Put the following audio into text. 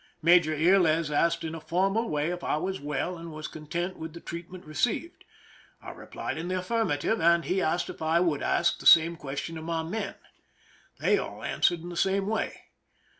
Major Yrles asked in a formal way if I was well and was content with the treatment received. I replied in the affirmative, and he asked if I would ask the same question of my men. They all answered in the same way.